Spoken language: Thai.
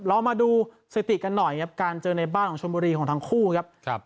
เรามาดูสถิติกันหน่อยครับการเจอในบ้านของชมบุรีของทั้งคู่ครับ